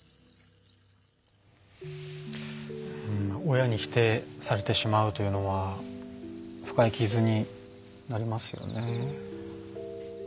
親に否定されてしまうというのは深い傷になりますよね。